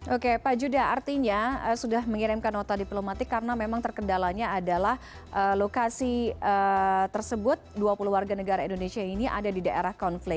oke pak judah artinya sudah mengirimkan nota diplomatik karena memang terkendalanya adalah lokasi tersebut dua puluh warga negara indonesia ini ada di daerah konflik